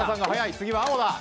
次は青だ。